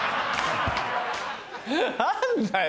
何だよ！